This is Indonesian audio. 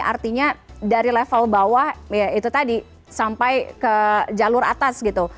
artinya dari level bawah ya itu tadi sampai ke jalur atas gitu